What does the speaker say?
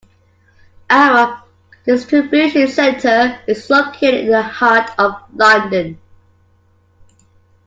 Our distribution centre is located in the heart of London.